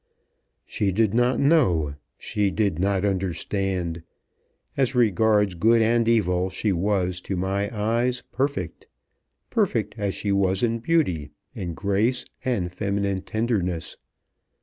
"She did not know. She did not understand. As regards good and evil she was, to my eyes, perfect; perfect as she was in beauty, in grace, and feminine tenderness.